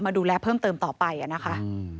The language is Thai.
ดูแลเพิ่มเติมต่อไปนะคะ